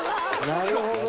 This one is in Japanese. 「なるほど」